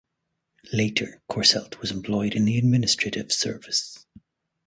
Later, Korselt was employed in the administrative service.